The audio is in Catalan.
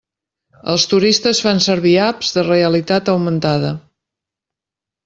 Els turistes fan servir apps de realitat augmentada.